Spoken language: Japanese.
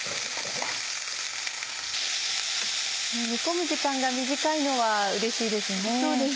煮込む時間が短いのはうれしいですね。